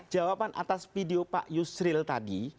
jawaban atas video pak yusril tadi